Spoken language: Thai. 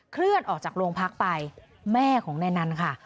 เคลื่อนออกจากโรงพักไปแม่ของนายนันค่ะ